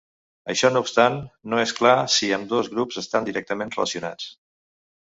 Això no obstant, no és clar si ambdós grups estan directament relacionats.